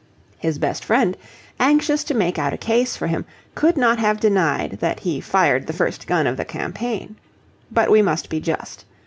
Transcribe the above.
His best friend, anxious to make out a case for him, could not have denied that he fired the first gun of the campaign. But we must be just.